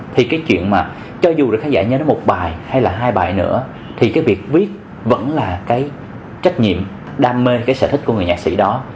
thì cái chuyện mà cho dù được khán giả nhớ nó một bài hay là hai bài nữa thì cái việc viết vẫn là cái trách nhiệm đam mê cái sở thích của người nhạc sĩ đó